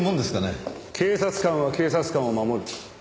警察官は警察官を守る。